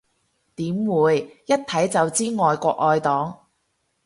點會，一睇就知愛國愛黨